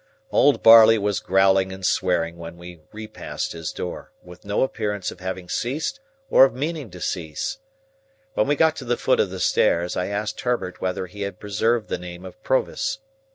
Old Barley was growling and swearing when we repassed his door, with no appearance of having ceased or of meaning to cease. When we got to the foot of the stairs, I asked Herbert whether he had preserved the name of Provis.